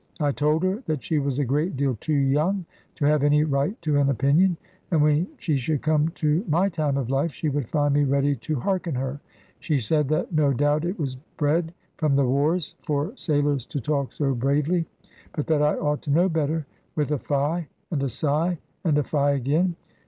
I told her that she was a great deal too young to have any right to an opinion; and when she should come to my time of life, she would find me ready to hearken her. She said that no doubt it was bred from the wars for sailors to talk so bravely; but that I ought to know better with a fie, and a sigh, and a fie again.